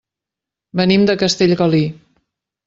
Venim de Castellgalí.